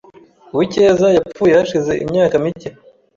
Uwicyeza yapfuye hashize imyaka mike.